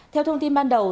theo thông tin ban đầu